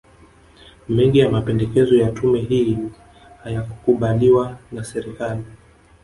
Mengi ya mapendekezo ya tume hii hayakukubaliwa na Serikali